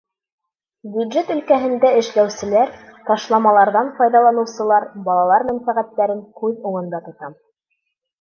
Бюджет өлкәһендә эшләүселәр, ташламаларҙан файҙаланыусылар, балалар мәнфәғәттәрен күҙ уңында тотам.